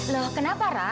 loh kenapa ra